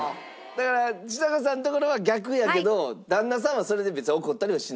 だからちさ子さんのところは逆やけど旦那さんはそれで別に怒ったりはしない？